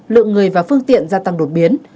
lượng người và phương tiện gia tăng đột biến